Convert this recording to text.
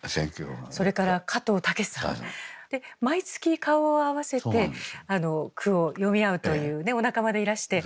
それから加藤武さん。で毎月顔を合わせて句を詠み合うというねお仲間でいらして。